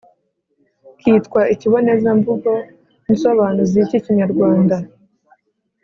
kitwa Ikibonezamvugo Nsobanuzi k’Ikinyarwanda